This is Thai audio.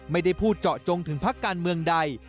ไม่ได้พูดเจาะจงถึงพักการเมืองใด